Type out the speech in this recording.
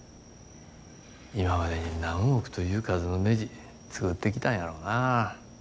今までに何億という数のねじ作ってきたんやろなぁ。